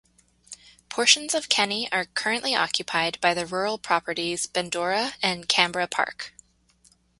Portions of Kenny are currently occupied by the rural properties "Bendoura", and "Canberra Park".